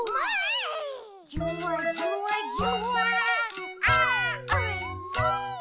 「じゅわじゅわじゅわーんあーおいしい！」